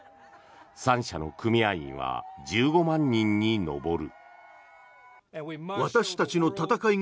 ３社の組合員は１５万人に上る。